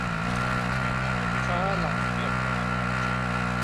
ฟ้าหลังฝน